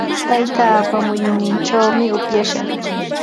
Taytaapa muyunninchaw upyashaq.